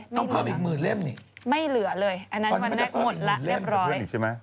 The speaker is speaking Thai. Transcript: ต้องพาอีก๑๐๐๐๐เล่มนี่ไม่เหลือเลยอันนั้นวันแรกหมดละเรียบร้อย